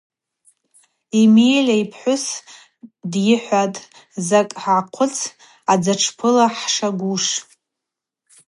Емеля йпхӏвыс дйыхӏватӏ: Закӏ гӏахъвыц, адзатшпыла хӏшагуш.